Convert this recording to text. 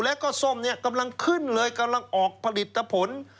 แล้วก็ส้มเนี่ยกำลังขึ้นเลยกำลังออกผลิตผล